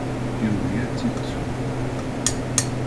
Yugi ad tt-yettu.